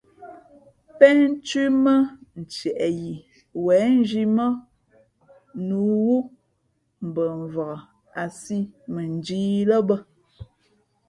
Pénthʉ́ mά ntieʼ yi wěn nzhī mά nǔ wú mbα mvak a sī mαnjīī lά bᾱ.